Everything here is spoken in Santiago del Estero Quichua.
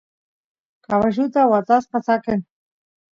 caballuta watasqa saqen